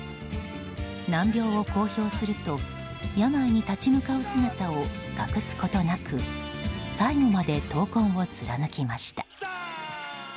難病を公表すると病に立ち向かう姿を隠すことなく最後まで闘魂を貫きました。